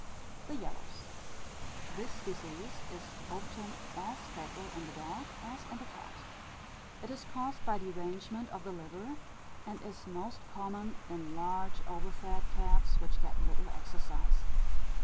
The Yellows. This disease is often as fatal in the dog as in the cat. It is caused by derangement of the liver, and is most common in large overfed cats, which get little exercise.